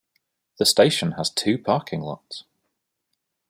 The station has two parking lots.